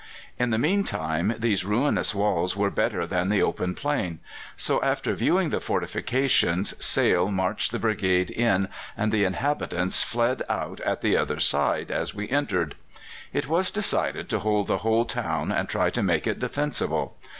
In the meantime these ruinous walls were better than the open plain; so, after viewing the fortifications, Sale marched the brigade in, and the inhabitants fled out at the other side as we entered. It was decided to hold the whole town and try to make it defensible.